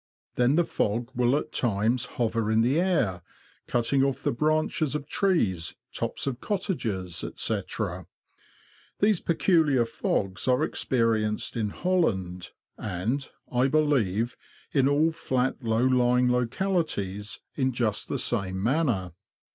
Then the fog will at times hover in the air, cutting off the branches of trees, tops of cottages, &c. These peculiar fogs are ex perienced in Holland, and, I believe, in all flat, low lying localities, in just the same manner.